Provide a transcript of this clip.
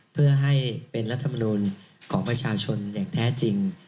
เพื่อให้เป็นรัฐมนูลของประชาชนอย่างแท้จริง